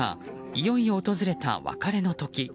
いよいよ訪れた別れの時。